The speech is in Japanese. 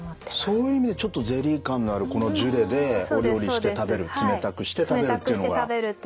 そういう意味でちょっとゼリー感のあるこのジュレでお料理して食べる冷たくして食べるっていうのが効果的だと。